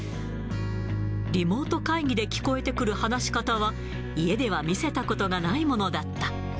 リモート会議で聞こえてくる話し方は、家では見せたことがないものだった。